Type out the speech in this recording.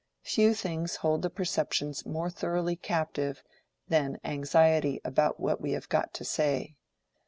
Few things hold the perceptions more thoroughly captive than anxiety about what we have got to say.